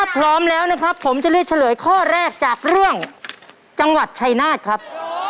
พร้อมแล้วนะครับผมจะเลือกเฉลยข้อแรกจากเรื่องจังหวัดชัยนาธครับ